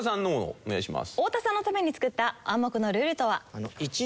お願いします。